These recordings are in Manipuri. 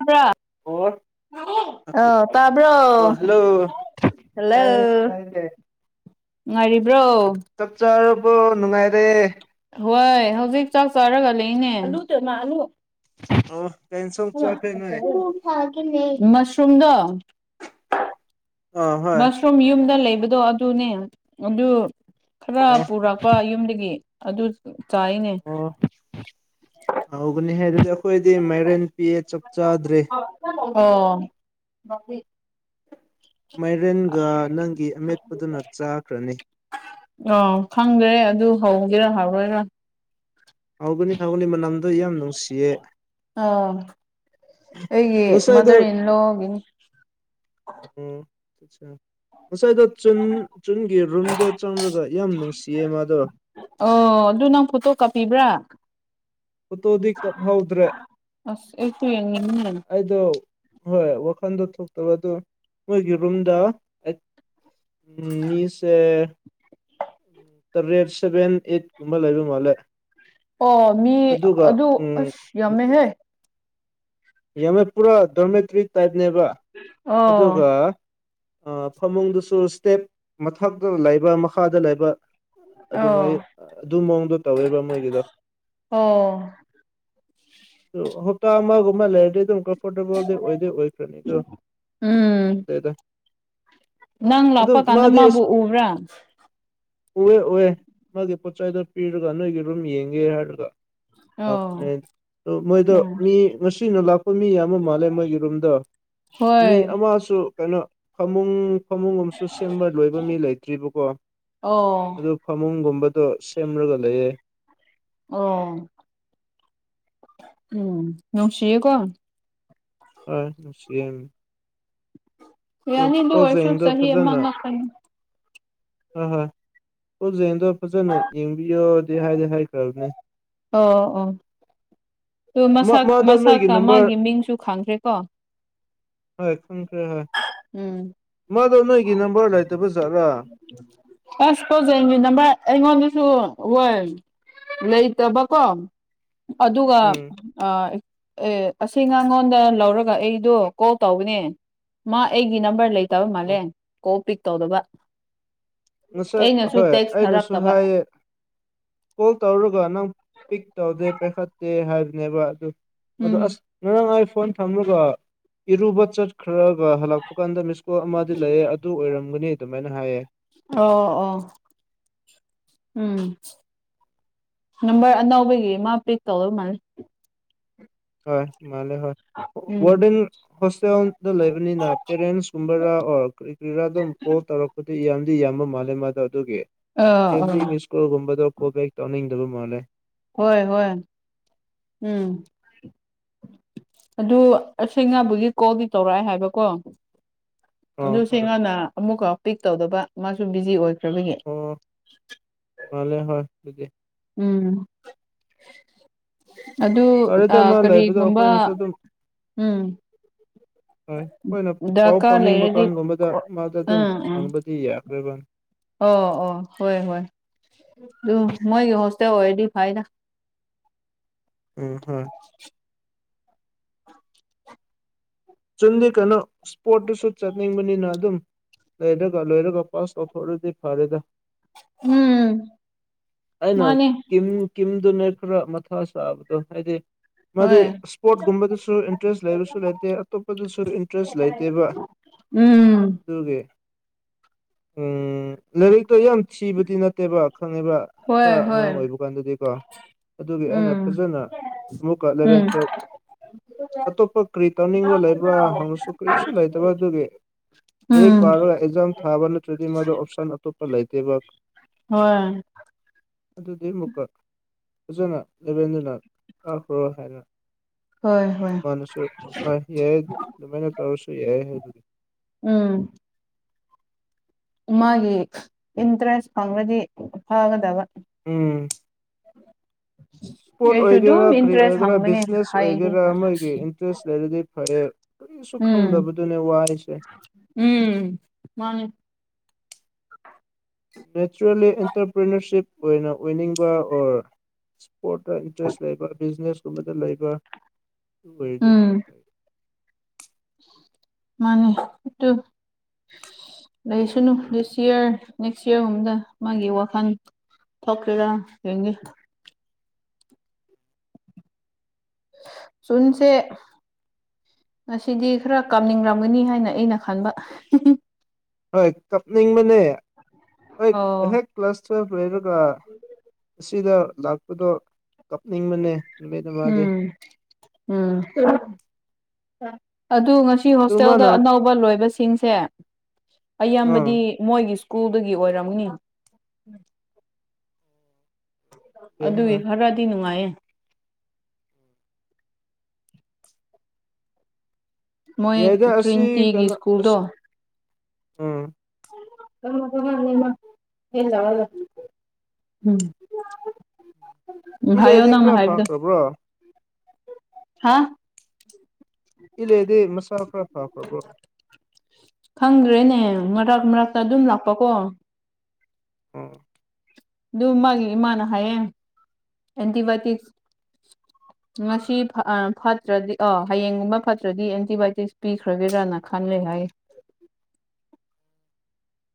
ꯍꯗ꯭ꯔ ꯑꯣ ꯑ ꯍꯜꯂꯣ ꯇꯥꯏꯌꯦ ꯇꯥꯏ ꯉꯉꯥꯏꯔꯤꯕ꯭ꯔꯣ ꯏ ꯅꯨꯡꯉꯥꯏꯔꯦ ꯍꯣꯏ ꯍꯧꯖꯤꯛ ꯆꯥꯛ ꯆꯥꯔꯒ ꯂꯩꯅꯦ ꯑ ꯃꯁꯔꯨꯝꯗꯣ ꯑꯥ ꯍꯣꯏ ꯃꯁꯔꯨꯝ ꯌꯨꯝꯗ ꯂꯩꯕꯗꯣ ꯑꯗꯨꯅꯦ ꯑꯗꯨ ꯈꯔ ꯑꯣ ꯄꯨꯔꯛꯄ ꯌꯨꯝꯗꯒꯤ ꯑꯗꯨ ꯆꯥꯏꯅꯦ ꯑꯣ ꯍꯧꯒꯅꯦ ꯍꯥꯏ ꯑꯗꯨ ꯑꯩꯈꯣꯏꯗꯤ ꯃꯥꯏꯔꯦꯟ ꯄꯤꯌꯦ ꯆꯥꯛ ꯆꯥꯗ꯭ꯔꯔꯤ ꯑꯣꯥ ꯃꯥꯏꯔꯦꯟꯒ ꯅꯪꯒꯤ ꯑꯃꯦꯠꯄꯗꯨꯅ ꯆꯥꯈ꯭ꯔꯅꯤ ꯑꯥ ꯈꯪꯗ꯭ꯔꯦ ꯑꯗꯨ ꯍꯧꯒꯦꯔꯥ ꯍꯥꯏꯔꯣꯏꯔ ꯑꯒꯅꯤ ꯊꯒꯒꯤ ꯃꯅꯝꯗꯣ ꯌꯥꯝ ꯅꯨꯡꯁꯤꯌꯦ ꯑꯣ ꯑꯩꯒꯤ ꯉꯁꯥꯏꯗꯣ ꯃꯥꯗꯔ ꯏꯟ ꯂꯣꯒꯤꯅꯤ ꯑꯆꯥ ꯉꯁꯥꯏꯗꯣ ꯆꯟ ꯆꯨꯟꯒꯤ ꯔꯨꯝꯗꯣ ꯆꯪꯂꯪꯂꯒ ꯌꯥꯝ ꯅꯨꯡꯁꯤꯌꯦ ꯃꯥꯗꯣ ꯨ ꯅꯪ ꯐꯣꯠꯇꯣ ꯀꯥꯞꯄꯤꯕ꯭ꯔꯥ ꯄꯣꯠꯇꯣꯗꯤ ꯀꯞꯍꯧꯗ꯭ꯔꯦ ꯑꯁ ꯑꯩꯁꯨ ꯌꯦꯡꯅꯤꯡꯉꯤꯅꯦ ꯑꯩꯗꯣ ꯍꯣꯏ ꯐꯟꯗ ꯊꯣꯛꯇꯕꯗꯣ ꯃꯣꯏꯒꯤ ꯔꯨꯝꯗ ꯑꯩ ꯎꯝ ꯃꯤꯁ ꯇ ꯔꯦꯠ ꯁꯚꯦꯟ ꯑꯩꯠ ꯀꯨꯝꯕ ꯂꯩꯕ ꯃꯥꯜꯂꯦ ꯑꯣ ꯃꯤ ꯑꯗꯨꯒ ꯑꯗꯨ ꯎꯝ ꯑꯁ ꯌꯥꯝꯃꯦꯍꯦ ꯌꯥꯝꯅ ꯄꯨꯔꯥ ꯗꯣꯔꯃꯦꯇꯔꯤ ꯇꯥꯏꯞꯅꯦꯕ ꯑꯗꯨꯒ ꯑꯣ ꯐꯃꯨꯡꯗꯨꯁꯨ ꯏꯁꯇꯦꯞ ꯃꯊꯛꯇ ꯂꯩꯕ ꯃꯈꯥꯗ ꯂꯩꯕ ꯑꯗꯨꯃꯥꯏ ꯑꯣ ꯑꯗꯨ ꯃꯑꯣꯡꯗꯣ ꯇꯧꯋꯦꯕ꯭ꯔ ꯃꯣꯏꯒꯤꯗꯣ ꯑꯣ ꯍꯞꯇꯥ ꯑꯃ ꯃ ꯂꯩꯗ ꯊꯀ ꯐꯨꯠꯕꯣꯜꯗ ꯑꯣꯏꯗ ꯑꯣꯏ ꯎꯝ ꯐꯔꯅꯤꯗꯣꯗꯗ ꯅꯪ ꯂꯥꯛꯄ ꯀꯥꯟꯗ ꯃꯥꯕꯨ ꯎꯕ꯭ꯔꯥ ꯎꯑꯦ ꯎꯑꯦ ꯃꯥꯒꯤ ꯄꯣꯠꯆꯥꯏꯗ ꯄꯤꯔꯒ ꯅꯣꯏꯒꯤ ꯔꯨꯝ ꯌꯦꯡꯒꯦ ꯍꯥꯏꯔꯒ ꯂ ꯑꯣ ꯃꯣꯏꯗ ꯎꯝ ꯃꯤ ꯑꯁꯤꯅ ꯂꯥꯛꯄ ꯃꯤ ꯌꯥꯝ ꯑꯃ ꯃꯥꯜꯂꯦ ꯃꯣꯏꯒꯤ ꯔꯨꯝꯗ ꯃꯤ ꯍꯣꯏ ꯑꯃꯁꯨ ꯀꯩꯅꯣ ꯐꯃꯨꯡ ꯐꯃꯨꯡꯒꯨꯝꯕꯁꯨ ꯁꯦꯝꯕ ꯂꯣꯏꯕ ꯃꯤ ꯂꯩꯇ꯭ꯔꯤꯕꯀꯣ ꯑꯣ ꯑꯗꯨ ꯐꯃꯨꯡꯒꯨꯝꯕ ꯑꯗꯨꯣ ꯁꯦꯝꯔꯒ ꯂꯩꯑꯌꯦ ꯑꯣ ꯎꯝ ꯅꯣꯡꯁꯤ ꯀꯣ ꯑ ꯁꯤ ꯂ ꯌꯥꯅꯤ ꯑꯗꯨ ꯑꯣꯏꯔꯁꯨ ꯄꯖꯗꯣ ꯆꯍꯤ ꯑꯃ ꯐꯖꯅ ꯉꯥꯛꯇꯅꯤ ꯑ ꯍ ꯑꯣꯖꯦꯟꯗꯣ ꯐꯖꯅ ꯌꯦꯡꯕꯤꯌꯣꯗꯤ ꯍꯥꯏꯗꯤ ꯍꯥꯏꯈ꯭ꯔꯕꯅꯦ ꯑꯣ ꯑꯣ ꯑꯗꯨ ꯃꯥ ꯃꯥꯗꯣ ꯅꯣꯏꯒꯤ ꯃꯁꯥꯀ ꯅꯝꯕꯔ ꯃꯥꯒꯤ ꯃꯤꯡꯁꯨ ꯈꯥꯡꯈ꯭ꯔꯦꯀꯣ ꯍꯣꯏ ꯁꯪꯈ꯭ꯔ ꯍꯣꯏ ꯎꯝ ꯃꯥꯗꯣ ꯅꯣꯏꯒꯤ ꯅꯝꯕꯔ ꯂꯩꯇꯕ ꯖꯥꯠꯔꯥ ꯑꯁ ꯀꯣꯖꯩꯒꯤ ꯅꯃ ꯑꯩꯉꯣꯟꯗꯁꯨ ꯍꯣꯏ ꯂꯩꯇꯕꯀꯣ ꯑꯗꯨꯒ ꯎꯝ ꯑꯦ ꯑꯁꯤ ꯉꯉꯣꯟꯗ ꯂꯧꯔꯒ ꯑꯩꯗꯣ ꯀꯣꯜ ꯇꯧꯕꯅꯦ ꯃꯥ ꯑꯩꯒꯤ ꯅꯝꯕꯔ ꯂꯩꯇꯕ ꯑꯣ ꯃꯥꯜꯂꯦ ꯀꯣꯜ ꯄꯤꯛ ꯇꯧꯗꯕ ꯉꯁꯥꯏ ꯑꯩꯅꯁꯨ ꯍꯣꯏ ꯇꯦꯛꯁ ꯑꯩꯅꯁꯨ ꯊꯥꯔꯛꯇꯕ ꯍꯥꯏꯌꯦ ꯀꯣꯜ ꯇꯧꯔꯒ ꯅꯪ ꯄꯤꯛ ꯇꯧꯗꯦ ꯄꯥꯏꯈꯠꯇꯦ ꯍꯥꯏꯕꯅꯦꯕ ꯑꯗꯨ ꯑ ꯎꯝ ꯑꯁ ꯉꯥꯡ ꯐꯣꯟ ꯊꯝꯃꯒ ꯏꯔꯨꯕ ꯆꯠꯈ꯭ꯔꯒ ꯍꯜꯂꯛꯄ ꯀꯥꯟꯗ ꯃꯤꯁ ꯍꯣꯏ ꯑꯃꯗꯤ ꯂꯩꯌꯦꯦ ꯑꯗꯨ ꯑꯣꯏꯔꯝꯒꯅꯤ ꯑꯗꯨꯃꯥꯏꯅ ꯍꯥꯏꯌꯦ ꯑꯣ ꯑꯣ ꯎꯝ ꯅꯝꯕꯔ ꯑꯅꯧꯕꯒꯤ ꯃꯥ ꯄꯤꯛ ꯇꯧꯔꯧ ꯃꯥꯜꯂ ꯍꯣꯏ ꯃꯥꯂꯦ ꯍꯣꯏ ꯎꯝ ꯋꯥꯔꯗꯦꯟ ꯍꯣꯁꯇꯦꯜꯗ ꯂꯩꯕꯅꯤꯅ ꯄꯦꯔꯦꯟꯁ ꯀꯨꯝꯕꯔꯥ ꯑꯣꯔ ꯀ ꯀꯔꯤꯔꯥꯗꯝ ꯀꯣꯜ ꯇꯧꯔꯛꯄ ꯌꯥꯝꯗꯤ ꯌꯥꯝꯕ ꯃꯥꯜꯂꯦ ꯃꯥꯗꯣ ꯑꯗꯨꯒꯤ ꯑꯥ ꯑꯦꯕ꯭ꯔꯤ ꯑꯥ ꯃꯤꯁꯀꯨꯜꯒꯨꯝꯕꯗꯣ ꯀꯣꯄꯦꯛꯛꯇꯅꯤꯤꯡꯗꯧꯕ ꯃꯥꯅꯔꯦ ꯍꯣꯏ ꯍꯣꯏ ꯎꯝ ꯑꯗꯨ ꯑꯁꯦꯡꯅꯕꯨꯒꯤ ꯀꯣꯜꯗꯤ ꯇꯧꯔꯛꯑꯦ ꯍꯥꯏꯕꯀꯣ ꯑ ꯑꯗꯨ ꯁꯤ ꯍꯣꯏ ꯉꯥꯟꯅ ꯑꯃꯨꯛꯀ ꯄꯤꯛ ꯇꯧꯗꯕ ꯃꯥꯁꯨ ꯕꯤꯖꯤ ꯑꯣꯏ ꯀꯉꯦ ꯑꯣ ꯃꯥꯜꯂꯦ ꯍꯣꯏ ꯑꯗꯨꯗꯤ ꯎꯝ ꯑꯗꯨ ꯐꯔꯦꯗ ꯃꯥ ꯂꯩꯕꯗꯣ ꯀꯔꯤꯒꯨꯝꯕ ꯑꯩꯈꯣꯏꯅꯁꯨ ꯑꯗꯨꯝ ꯎꯝ ꯍꯣꯏ ꯑꯩꯈꯣꯏꯅ ꯄꯥꯎ ꯗꯔꯀꯥꯔ ꯐꯥꯎꯅꯤꯡꯕ ꯂꯩꯔꯗꯤ ꯀꯥꯟꯒꯨꯝꯕꯗ ꯃꯥꯗ ꯑꯗꯨꯝ ꯎꯝ ꯎꯝ ꯍꯪꯕꯗꯤ ꯌꯥꯏ ꯀꯣꯏꯕ ꯑꯣ ꯑꯣ ꯍꯣꯏ ꯍꯣꯏ ꯑꯗꯨ ꯃꯣꯏꯒꯤ ꯍꯣꯁꯇꯦꯜ ꯑꯣꯏꯔꯗꯤ ꯐꯥꯏꯅ ꯑ ꯍꯣ ꯆꯟꯗꯤ ꯀꯅꯣ ꯏꯁꯄꯣꯔꯠꯇꯁꯨ ꯆꯠꯅꯤꯡꯕꯅꯤꯅ ꯑꯗꯨꯝ ꯂꯩꯣꯏꯔꯒ ꯂꯣꯏꯔꯒ ꯄꯥꯁꯣ ꯊꯣꯔꯗꯤ ꯐꯥꯔꯦꯗ ꯎꯝ ꯑꯩꯅ ꯃꯥꯅꯦ ꯀꯤꯝ ꯀꯤꯝꯗꯨꯅꯦ ꯈꯔ ꯃꯊꯥ ꯁꯥꯕꯗꯣ ꯍꯥꯏꯗꯤ ꯃꯥꯗꯤ ꯍꯣꯏ ꯏꯁꯄꯣꯔꯠꯀꯨꯝꯕꯗꯁꯨ ꯏꯟꯇꯔꯦꯁ ꯂꯩꯔꯁꯨ ꯂꯩꯇꯦ ꯑꯄꯗꯁꯨ ꯏꯟꯇꯔꯦꯁ ꯂꯩꯇꯦꯕ ꯎꯝ ꯑꯗꯨꯒꯤ ꯎꯝ ꯂꯩꯔꯤꯛꯛꯇ ꯌꯥꯝ ꯆꯤꯕꯗꯤ ꯅꯠꯇꯦꯕꯥ ꯈꯪꯉꯤꯕ ꯍꯣꯏ ꯈꯔ ꯍꯣꯏ ꯑꯉꯥꯡ ꯑꯣꯏꯕ ꯀꯥꯟꯗꯗꯤꯀꯣ ꯑꯗꯨꯒꯤ ꯑꯩꯅ ꯎꯝ ꯐꯖꯅ ꯑꯃꯨꯛꯀ ꯑꯦꯂꯚꯦꯟ ꯎꯝ ꯇꯨꯋꯞ ꯑꯇꯣꯞꯄ ꯀꯔꯤ ꯇꯧ ꯍꯥꯏꯅꯤꯡꯕ ꯂꯩꯕ꯭ꯔꯥ ꯍꯧꯅꯁꯨ ꯀꯔꯤꯁꯨ ꯂꯩꯇꯕ ꯑꯗꯨꯒꯤ ꯂꯔꯤ ꯎꯝ ꯄꯥꯔ ꯑꯦꯛꯖꯝ ꯊꯥꯕꯅ ꯇꯦꯔꯤ ꯑꯣꯞꯁꯟ ꯂꯩꯇꯦꯕ ꯍꯣꯏ ꯑꯗꯨꯗꯤ ꯑꯃꯨꯛꯀ ꯐꯖꯅ ꯂꯦꯕꯦꯟꯗꯨꯅ ꯀꯥꯈ꯭ꯔꯣ ꯍꯥꯏꯅ ꯍꯣꯏ ꯍꯣꯏ ꯑꯣꯏ ꯌꯥꯏ ꯑꯗꯨꯃꯥꯏꯅ ꯇꯧꯔꯁꯨ ꯌꯥꯏ ꯑꯗꯨꯗꯤ ꯎꯝ ꯃꯥꯒꯤ ꯏꯟꯇꯔꯦꯁ ꯐꯪꯕꯗꯤ ꯐꯒꯗꯕ ꯎꯝ ꯏꯁꯄꯣꯔꯠ ꯑꯩꯁꯨ ꯑꯗꯨꯝ ꯑꯣꯏꯒꯦꯔꯥ ꯀ ꯏꯟꯇꯔꯦꯁ ꯑꯣꯏꯒꯦꯔꯥ ꯍꯪꯕꯅꯦ ꯕꯤꯖꯤꯅꯦꯁ ꯍꯥꯏꯗꯤ ꯑꯣꯏꯒꯦꯔꯥ ꯑꯃꯒꯤ ꯏꯟꯇꯔꯦꯁ ꯂꯩꯔꯗꯤ ꯐꯩꯌꯦ ꯀꯔꯤꯁꯨ ꯎꯝ ꯈꯪꯗꯕꯗꯨꯅꯦ ꯋꯥ ꯍꯥꯏꯁꯦ ꯎꯝ ꯃꯥꯅꯤ ꯅꯦꯆꯔꯦꯜꯂꯤ ꯑꯦꯟꯇꯔꯄ꯭ꯔꯔꯤꯅꯔꯁꯤꯞ ꯑꯣꯏꯅ ꯑꯣꯏꯅꯤꯡꯕ ꯑꯣꯔ ꯏꯁꯄꯣꯔꯠꯇ ꯏꯟꯇꯔꯦꯁ ꯂꯩꯕ ꯕꯤꯖꯤꯅꯦꯁꯀꯨꯝꯕꯗ ꯂꯩꯕ ꯑꯣꯏꯔꯗꯤ ꯎꯝ ꯈ꯭ꯔꯄ ꯃꯥꯅꯤ ꯂꯩꯁꯅꯨ ꯗꯤꯁ ꯌꯌꯥꯔ ꯅꯦꯛꯁ ꯌꯔꯒꯨꯝꯗ ꯃꯥꯒꯤ ꯋꯥꯈꯜ ꯊ ꯀꯔ ꯌꯦꯡꯒꯦ ꯁꯟꯁꯦ ꯉꯁꯤꯗꯤ ꯈꯔ ꯀꯥꯞꯅꯤꯡꯔꯝꯒꯅꯤ ꯍꯥꯏꯅ ꯑꯩꯅ ꯈꯟꯕ ꯍꯣꯏ ꯀꯞꯅꯤꯡꯕꯅꯦ ꯍꯣꯏ ꯑꯣ ꯍꯦꯛ ꯀ꯭ꯂ ꯇꯨꯋꯦꯞ ꯂꯩꯔꯒ ꯑꯁꯤꯗ ꯂꯥꯛꯄꯗꯣ ꯀꯞꯅꯤꯡꯕꯅꯦ ꯅꯨꯃꯤꯠ ꯑꯃꯗꯤ ꯎꯝ ꯎꯝ ꯑꯗꯨ ꯃꯁꯤ ꯑꯗꯨ ꯍꯣꯁꯇꯦꯜꯗ ꯃꯥꯅ ꯑꯅꯧꯕ ꯂꯣꯏꯕꯁꯤꯡꯁꯦ ꯑꯥ ꯑꯌꯥꯝꯕꯗꯤ ꯃꯣꯏꯒꯤ ꯁ꯭ꯀꯨꯜꯗꯒꯤ ꯑꯣꯏꯔꯝꯅꯤ ꯌꯥꯏ ꯑꯗꯨꯒꯤ ꯍꯣꯏ ꯈꯔꯗꯤ ꯅꯨꯡꯉꯥꯏꯌꯦ ꯃꯣꯏ ꯌꯥꯏꯗ ꯑꯁꯤ ꯇ꯭ꯔꯤꯟꯇꯤꯒꯤ ꯀꯩꯅ‌ꯣ ꯑꯁ ꯁ꯭ꯀꯨꯜꯗꯣ ꯎꯝ [unintelligible] ꯎꯝ ꯍꯥꯏꯌꯣ ꯏꯂꯦꯗꯤ ꯅꯪꯅ ꯈꯔ ꯍꯥꯏꯕꯗꯣ ꯐꯈ꯭ꯔꯕ꯭ꯔꯣ ꯍꯥꯥ ꯏꯂ‌ꯦꯗꯤ ꯃꯁꯥ ꯈꯔ ꯐꯥꯈ꯭ꯔꯕꯣ ꯈꯪꯗ꯭ꯔꯦꯅꯦ ꯃꯔꯛ ꯃꯔꯛꯇ ꯑꯗꯨꯝ ꯂꯥꯛꯄꯀꯣ ꯎꯝ ꯑꯗꯨꯝ ꯃꯥꯒꯤ ꯏꯃꯥꯅ ꯍꯥꯏꯌꯦ ꯑꯦꯟꯗꯤꯚꯥꯢꯌꯣꯇꯤꯛ [inaudible] ꯉꯁꯤ ꯐꯠꯇ꯭ꯔꯗꯤ ꯑ ꯍꯌꯦꯡꯒꯨꯝꯕ ꯐꯠꯇ꯭ꯔꯗꯤ ꯑꯦꯟꯇꯤꯕꯥꯏꯌꯣꯇꯤꯛꯁ ꯄꯤꯈ꯭ꯔꯒꯦꯔꯅ ꯈꯜꯂꯦ ꯍꯥꯏꯌꯦ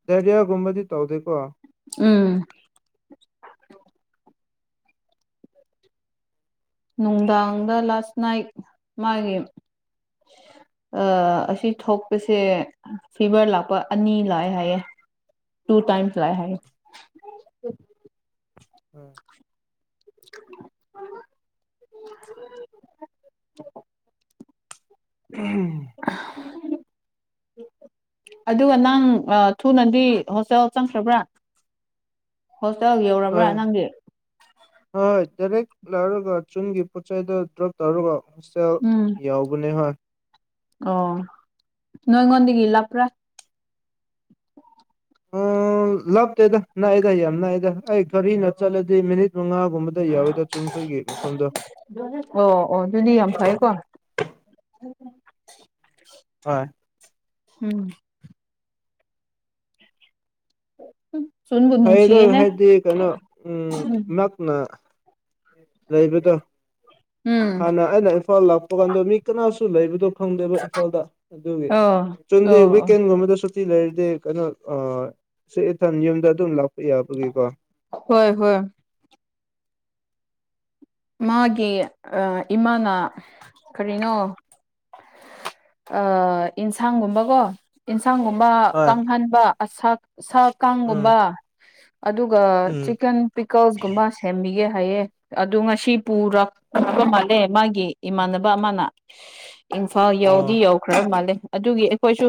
ꯗꯥꯏꯔꯤꯌꯥꯒꯨꯝꯕꯗꯤ ꯇꯧꯗ‌ꯦꯀꯣ ꯎꯝ ꯅꯨꯡꯗꯥꯡꯗ ꯂꯥꯁ ꯅꯥꯏꯠ ꯃꯥꯒꯤ [inaudible] ꯑꯁꯤ ꯊꯣꯛꯄꯁꯦ ꯐꯤꯚꯔ ꯂꯥꯛꯄ ꯑꯅꯤ ꯂꯥꯛꯑꯦ ꯍꯥꯏꯌꯦ ꯇꯨ ꯇꯥꯏꯝꯁ ꯂꯛꯑꯦ ꯍꯥꯏ ꯎꯝ [unintelligible] ꯎꯝ [unintelligible] ꯑꯗꯨꯒ ꯅꯪ ꯊꯨꯅꯗꯤ ꯍꯣꯁꯇꯦꯜ ꯆꯪꯈ꯭ꯔꯕ꯭ꯔꯥ ꯍꯣꯁꯇꯦꯜ ꯌꯧꯔꯕ꯭ꯔꯥ ꯍꯣꯏ ꯅꯪꯒꯤ ꯂꯥꯏꯔꯒ ꯆꯨꯝꯒꯤ ꯄꯣꯠꯆꯩꯗ‌ꯣ ꯗ꯭ꯔ‌ꯣꯞ ꯇꯧꯔꯒ ꯍꯣꯁꯇꯦꯜ ꯎꯝ ꯌꯥꯎꯕꯅꯦ ꯍꯣꯏ ꯑꯣ ꯅꯣꯏꯉꯣꯟꯗꯒꯤ ꯂꯥꯞꯄꯔꯥ ꯑ ꯂꯥꯞꯇꯦꯗ ꯅꯛꯑꯦꯗ ꯌꯥꯝ ꯅꯛꯑꯦꯗ ꯑꯩ ꯒꯥꯔꯤꯅ ꯆꯠꯂꯗꯤ ꯃꯤꯅꯤꯠ ꯃꯉꯥ ꯑꯣ ꯑꯣ ꯑꯗꯨꯗꯤ ꯌꯥꯝ ꯐꯩꯀꯣ ꯎꯝ ꯍꯣꯏ ꯎꯝ ꯁꯨꯟꯕꯨ ꯐꯩꯗ‌ꯣ ꯅꯨꯡꯁꯤꯌꯦꯍꯦ ꯍꯥꯏꯗꯤ ꯀꯩꯅꯣ ꯎꯝ ꯅꯛꯅ ꯂꯩꯕꯗ‌ꯣ ꯎꯝ ꯍꯥꯟꯅ ꯑꯩꯅ ꯏꯝꯐꯥꯜ ꯂꯥꯛꯄ ꯀꯥꯟꯗ ꯃꯤ ꯀꯅꯥꯁꯨ ꯂꯩꯕꯗꯣ ꯈꯪꯗꯦꯕ ꯏꯝꯐꯥꯜꯗ ꯑꯗꯨꯒꯤ ꯑꯣ ꯆꯨꯟꯗꯤ ꯑꯣ ꯑꯣ ꯋꯤꯀꯦꯟꯒꯨꯝꯕꯗꯁꯨ ꯂꯩꯔꯗꯤ ꯀꯩꯅꯣ ꯌꯨꯝꯗ ꯑꯗꯨꯝ ꯂꯥꯛ ꯍꯣꯏ ꯍꯣꯏ ꯃꯥꯒꯤ ꯏꯃꯥꯅ ꯀꯔꯤꯅꯣ ꯑ ꯌꯦꯟꯁꯥꯡꯒꯨꯝꯕꯀꯣ ꯌ‌ꯦꯟꯁꯥꯡꯒꯨꯝꯕ ꯍꯣꯏ ꯀꯥꯡꯍꯟꯕ ꯁꯥ ꯎꯝ ꯀꯥꯡꯒꯨꯝꯕ ꯑꯗꯨꯒ ꯎꯝ ꯆꯤꯛꯀꯟ ꯄꯤꯀꯜꯁꯒꯨꯝꯕ ꯁꯦꯝꯕꯤꯒꯦ ꯍꯥꯏꯌꯦ ꯑꯗꯨ ꯉꯁꯤ ꯄꯨꯔꯛꯄ ꯃꯥꯜꯂꯦ ꯃꯥꯒꯤ ꯏꯃꯥꯟꯅꯕ ꯑꯃꯅ ꯏꯝꯐꯥꯜ ꯑꯣ ꯌꯧꯗꯤ ꯌꯧꯈ꯭ꯔ ꯃꯥꯜꯂꯦ ꯑꯗꯨꯒꯤ ꯑꯩꯈꯣꯏꯁꯨ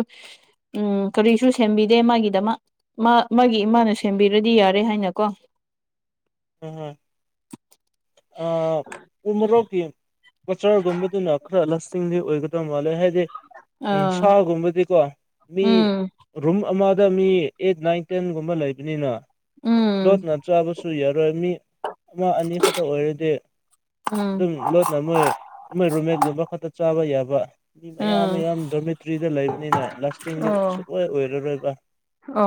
ꯎꯝ ꯀꯔꯤꯁꯨ ꯁꯦꯝꯕꯤꯗꯦ ꯃꯥꯒꯤꯗꯃꯛ ꯃꯥ ꯃꯥꯒꯤ ꯏꯃꯥꯅ ꯁꯦꯝ ꯁꯦꯝꯕꯤꯔꯗꯤ ꯌꯥꯔꯦ ꯍꯥꯏꯅꯀꯣ ꯍ‌ꯣꯏ ꯍ‌ꯣꯏ ꯎꯃ‌ꯣꯔꯣꯛꯇꯤ ꯑꯆꯔꯒꯨꯝꯕꯗꯨꯅ ꯈꯔ ꯂꯥꯁꯇꯤꯡꯗꯤ ꯑꯣꯏꯒꯗꯕ ꯃꯥꯜꯂꯦ ꯍꯥꯏꯗꯤ ꯎꯝ ꯑꯥ ꯁꯥꯒꯨꯝꯕꯗꯤꯀꯣ ꯃꯤ ꯎꯝ ꯔꯨꯝ ꯑꯃ ꯑꯃꯗ ꯃꯤ ꯑꯩꯠ ꯅꯥꯏꯟ ꯇꯦꯟꯒꯨꯝꯕ ꯂꯩꯕꯅꯤꯅ ꯎꯝ ꯂꯣꯠꯅ ꯆꯥꯕꯁꯨ ꯌꯥꯔꯣꯏ ꯃꯤ ꯑꯃ ꯑꯅꯤ ꯈꯛꯇ ꯑꯣꯏꯔꯗꯤ ꯑꯗꯨꯝ ꯎꯝ ꯂꯣꯠꯅ ꯃꯣꯏ ꯃꯣꯏ ꯔꯨꯝꯃꯦꯠꯒꯨꯝꯕ ꯈꯛꯇ ꯆꯥꯕ ꯌꯥꯕ ꯃꯤ ꯃꯌꯥꯝ ꯎꯝ ꯃꯌꯥꯝ ꯗꯣꯔꯃꯦꯇ꯭ꯔꯤꯗ ꯂꯩꯕꯅꯤꯅ ꯂꯥꯁꯇꯤꯡꯗꯤ ꯑꯣ ꯁꯨꯡꯑꯣꯏ ꯑꯣꯏꯔꯔꯣꯏꯕ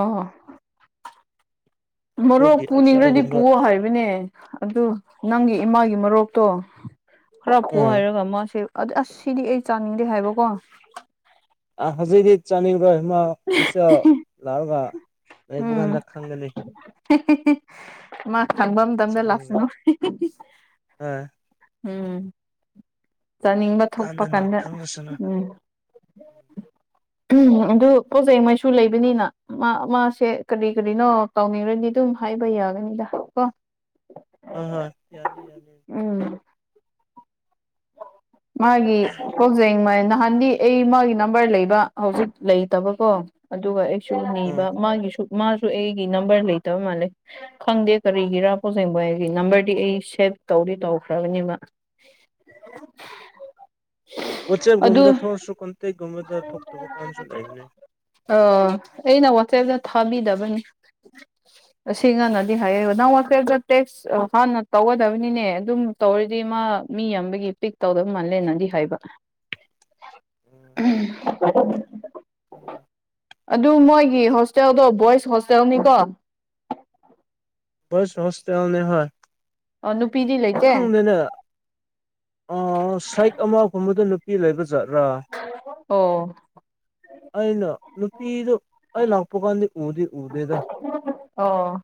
ꯑꯣ ꯃꯣꯔꯣꯛ ꯃꯣꯔꯣꯛꯒꯤ ꯄꯨꯅꯤꯡꯈ꯭ꯔꯗꯤ ꯑꯆꯥꯔꯒꯨꯝꯕ ꯄꯨꯑꯣ ꯍꯥꯏꯕꯅꯦ ꯑꯗꯨ ꯅꯪꯒꯤ ꯏꯃꯥꯒꯤ ꯃꯔꯨꯞ ꯇꯣ ꯈꯔ ꯄꯨꯑꯣ ꯑꯥ ꯍꯥꯏꯔꯒ ꯃꯥꯁꯦ ꯑꯗ ꯑꯁ ꯁꯤꯗꯤ ꯑꯩ ꯆꯥꯅꯤꯡꯗꯦ ꯍꯥꯏꯕꯀꯣ ꯑ ꯍꯧꯖꯤꯛꯗꯤ ꯆꯅꯤꯡꯑꯣꯏ ꯃꯥ ꯍꯣꯏꯇꯦꯜ ꯂꯥꯛꯑꯒ ꯂꯩꯕ ꯎꯝ ꯀꯥꯟꯗ ꯈꯪꯒꯅꯤ ꯃꯥ ꯁꯪꯕ ꯃꯇꯝꯗ ꯆꯥꯅꯤꯡꯕ꯭ꯔꯥ ꯂꯥꯛꯁꯅꯨ ꯑꯥ ꯎꯝ ꯆꯥꯅꯤꯡꯕ ꯊꯣꯛꯄ ꯗꯨꯀꯥꯟꯗꯅ ꯀꯥꯟꯗ ꯈꯪꯂꯁꯅꯨ ꯎꯝ [unintelligible] ꯎꯝ ꯑꯗꯨ ꯄꯣꯠꯖꯦꯛ ꯃꯩꯁꯨ ꯂꯩꯕꯅꯤꯅ ꯃꯥ ꯃꯥꯁꯦ ꯀꯔꯤ ꯀꯔꯤꯅꯣ ꯇꯧꯅꯤꯡꯔꯗꯤ ꯑꯗꯨꯝ ꯍꯥꯏ ꯕꯩ ꯌꯥꯒꯅꯤꯗ ꯎꯝ [unintelligible] ꯃꯥꯒꯤ ꯀꯣꯛꯖꯩꯃꯩꯅ ꯍꯥꯟꯗꯤ ꯑꯩ ꯃꯥꯒꯤ ꯅꯝꯕꯔ ꯂꯩꯕ ꯍꯧꯖꯤꯛ ꯂꯩꯇꯕꯀꯣ ꯑꯗꯨꯒ ꯁꯨ ꯎꯝ ꯅꯤꯕ ꯃꯥꯒꯤꯁꯨ ꯃꯥꯁꯨ ꯑꯩꯒꯤ ꯅꯝꯕꯔ ꯂꯩꯇꯕ ꯃꯥꯜꯂꯦ ꯈꯪꯗꯦ ꯀꯔꯤꯒꯤꯔꯥ ꯄꯣꯖꯦꯡꯕ ꯑꯩꯒꯤ ꯅꯝꯕꯔꯗꯤ ꯑꯩ ꯁꯦꯞ ꯇꯧꯔꯤ ꯇꯧꯈ꯭ꯔꯕꯅꯤꯕ [unintelligible] ꯋꯥꯆꯦꯞꯀꯨꯝꯕꯗ ꯊꯣꯛꯑꯁꯨ ꯀꯣꯟꯇꯦꯛ ꯑꯣ ꯑꯩꯅ ꯋꯥꯆꯦꯞ ꯊꯥꯕꯤ ꯗꯕꯅꯤ ꯑꯁꯤ ꯅꯪꯅꯗꯤ ꯍꯥꯏꯔꯤꯕ ꯅꯪ ꯋꯥꯆꯦꯞꯇ ꯇꯦꯛꯁ ꯍꯥꯟꯅ ꯇꯧꯒꯗꯕꯅꯤꯅꯦ ꯑꯗꯨꯝ ꯇꯧꯔꯗꯤ ꯃꯥ ꯃꯤ ꯌꯥꯝꯕꯒꯤ ꯄꯤꯛ ꯇꯧꯗꯕ ꯃꯥꯜꯂꯦꯅꯗꯤ ꯍꯥꯏꯕ [unintelligible] ꯑꯗꯨ ꯃꯣꯏ ꯍꯣꯁꯇꯦꯜꯗ ꯕꯣꯏꯁ ꯍꯣꯁꯇꯦꯜꯅꯤꯀꯣ ꯕꯣꯏ ꯍꯣꯁꯇꯦꯜꯅꯤꯀꯣ ꯑꯣ ꯅꯨꯄꯤꯗꯤ ꯂꯩꯇꯦ ꯈꯪꯗꯅꯦ ꯁꯥꯏꯛ ꯑꯃ ꯒꯨꯝꯕꯗ ꯅꯨꯄꯤ ꯂꯩꯕ ꯑꯣ ꯑꯩ ꯅꯨꯄꯤꯗꯨ ꯑꯩ ꯂꯛꯄ ꯀꯥꯟꯗꯤ ꯎꯗꯤ ꯎꯗꯦꯗ ꯑꯣ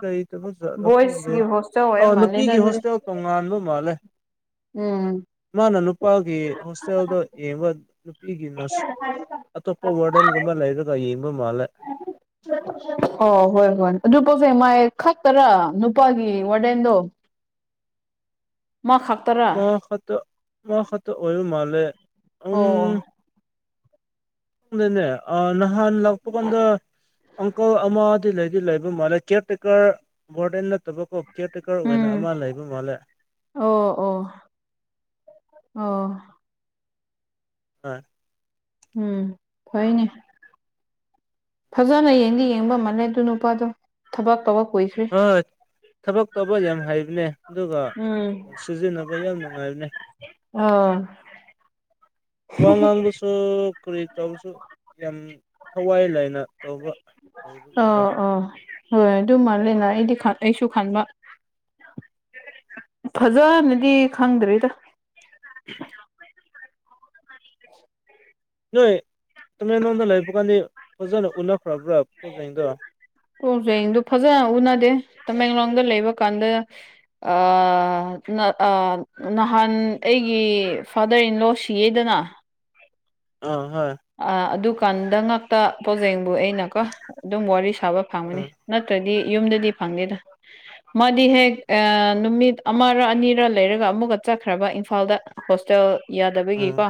ꯂꯩꯇꯕꯖꯥꯠꯂꯣ ꯈꯪꯗꯦ ꯕꯣꯏꯁꯀꯤ ꯍꯣꯁꯇꯦꯜ ꯑ ꯑꯣꯏꯕ ꯃꯥꯜꯂꯦꯗ ꯅꯨꯄꯤꯒꯤ ꯑꯗꯨꯗꯤ ꯍꯣꯁꯇꯦꯜ ꯇꯣꯉꯥꯟꯕ ꯃꯥꯜꯂꯦ ꯎꯝ ꯃꯥꯅ ꯅꯨꯄꯥꯒꯤ ꯍꯣꯁꯇꯦꯜꯗ ꯌꯦꯡꯕ ꯅꯨꯄꯤꯒꯤ ꯑꯇꯣꯞꯄ ꯋꯥꯔꯗꯦꯟꯒꯨꯝꯕ ꯂꯩꯔꯒ ꯌꯦꯡꯕ ꯃꯥꯜꯂꯦ [unintelligible] ꯑꯣ ꯍꯣꯏ ꯍꯣꯏ ꯑꯗꯨ ꯄꯣꯠꯁꯦ ꯃꯥꯏ ꯈꯛꯇꯔꯥ ꯅꯨꯄꯥꯒꯤ ꯋꯥꯔꯗꯦꯟꯗꯣ ꯃꯥ ꯈꯥꯛꯇꯔꯥ ꯃꯥ ꯈꯛꯇ ꯃꯥ ꯈꯠꯇ ꯑꯣꯏꯕ ꯃꯥꯂꯦ ꯎꯝ ꯑꯣ ꯑꯣ ꯈꯪꯗꯦꯅꯦ ꯅꯍꯥꯟ ꯂꯥꯛꯄꯀꯥꯟꯗ ꯑꯪꯀꯜ ꯑꯃ ꯂꯩ ꯂꯩꯕ ꯃ ꯀꯦꯌꯔ ꯇꯦꯀꯔ ꯗꯦꯟꯅ ꯇ ꯀꯤꯌꯔꯇꯦꯛꯀꯔ ꯑꯣꯏꯅ ꯎꯝ ꯑꯃ ꯂꯩꯕ ꯃꯥꯜꯂꯦ ꯑꯣ ꯑꯣ ꯑꯣ ꯍꯣꯏ ꯎꯝ ꯊꯣꯛꯣꯏꯅꯦ ꯐꯖꯅ ꯌꯦꯡꯗꯤ ꯌꯦꯡꯕ ꯃꯥꯜꯂꯦ ꯑꯗꯨ ꯅꯨꯄꯥꯗꯨ ꯊꯕꯛ ꯇꯧꯕ ꯀꯨꯏꯈ꯭ꯔꯔꯤ ꯍꯣꯏ ꯊꯕꯛ ꯇꯧꯕ ꯌꯥꯝ ꯍꯥꯏꯕꯅꯦ ꯑꯗꯨꯒ ꯎꯝ ꯁꯤꯖꯤꯟꯅꯕ ꯌꯥꯝ ꯅꯨꯡꯉꯥꯏꯕꯅꯦ ꯑꯥ ꯀ ꯉꯗꯁꯨ ꯀꯨꯔꯤ ꯇꯧꯕꯁꯨ ꯌꯥꯝ ꯊꯋꯥꯏ ꯂꯥꯏꯅ ꯇꯧꯕ ꯍꯩꯕꯒꯤꯀꯣ ꯑꯥ ꯑꯥ ꯍꯣꯏ ꯑꯗꯨꯃ ꯑꯩꯗꯤ ꯑꯩꯁꯨ ꯈꯟꯕ ꯐꯖꯅꯗꯤ ꯈꯪꯗ꯭ꯔꯔꯤꯗ [inaudible] ꯅꯣꯏ ꯇ ꯅꯣ ꯂꯥꯏ ꯄ ꯀꯥꯟꯗꯤ ꯐꯖ ꯎ ꯎꯗ ꯐꯖ ꯎꯅꯥꯗꯦ ꯇꯃꯦꯡꯂꯣꯡꯗ ꯂꯩꯕ ꯀꯥꯟꯗ ꯑ ꯅꯍꯥꯟ ꯑꯩꯒꯤ ꯐꯥꯗꯔ ꯏꯟꯂꯣ ꯁꯤ ꯑꯦꯗꯅ ꯑ ꯑ ꯑꯗꯨꯀꯥꯟꯗ ꯉꯥꯛꯇ ꯄꯥꯎꯖꯦꯡꯕꯨ ꯑꯩꯅꯀ ꯑꯗꯨꯝ ꯋꯥꯔꯤ ꯁ ꯊꯥꯕ ꯐꯪꯒꯅꯤ ꯎꯝ ꯅꯠꯇ꯭ꯔꯗꯤ ꯌꯨꯝꯗꯗꯤ ꯐꯪꯅꯤꯦꯗ ꯃꯥꯗꯤ ꯍꯦꯛ ꯅꯨꯃꯤꯠ ꯑꯃꯔ ꯑꯅꯤꯔ ꯂꯩꯔꯒ ꯑꯃꯨꯛ ꯆꯠꯈ꯭ꯔꯕ ꯏꯝꯐꯥꯜꯗ ꯍꯣꯁꯇꯦꯜ ꯎꯝ ꯌꯥꯗꯕꯒꯤꯀꯣ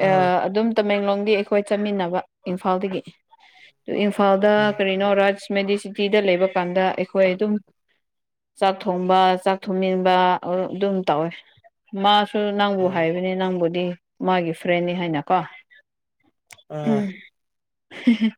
ꯑꯥ ꯑꯗꯨꯝ ꯇꯃꯦꯡꯂꯣꯡꯗꯤ ꯑꯩꯈꯣꯏ ꯆꯠꯃꯤꯟꯅꯕ ꯏꯝꯐꯥꯜꯗꯒꯤ ꯑꯗꯨ ꯏꯝꯐꯥꯜꯗ ꯎꯝ ꯀꯔꯤꯅꯣ ꯑꯥ ꯔꯥꯖ ꯃꯦꯗꯤꯁꯤꯇꯤꯗ ꯂꯩꯕ ꯀꯥꯟꯗ ꯑꯩꯈꯣꯏ ꯑꯗꯨꯝ ꯆꯥꯛ ꯊꯣꯡꯕ ꯆꯥꯛ ꯊꯣꯡꯅꯤꯡꯕ ꯑꯗꯨꯝ ꯇꯧꯋꯦ ꯃꯥꯁꯨ ꯅꯪꯕꯨ ꯍꯥꯏꯕꯅꯤ ꯅꯪꯕꯨꯗꯤ ꯃꯥꯒꯤ ꯐ꯭ꯔꯦꯟꯅꯤ ꯍꯥꯏꯅꯀꯣ ꯑ ꯍꯝ